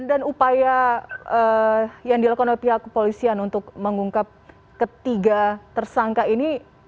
dan upaya yang dilakukan oleh pihak kepolisian untuk mengungkap ketiga tersangka ini